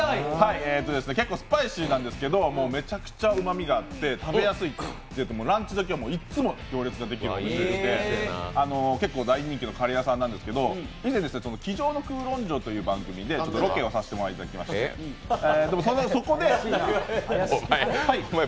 結構スパイシーなんですけどめちゃくちゃうまみがあって食べやすい、ランチどきはいつも行列ができるお店でして結構大人気のカレー屋さんなんですけど以前「机上の空論城」という番組でロケをさせてもらいまして、そこではい？